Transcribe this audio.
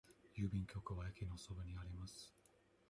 郵便局は駅のそばにあります。